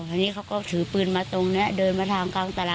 ทีนี้เขาก็ถือปืนมาตรงนี้เดินมาทางกลางตลาด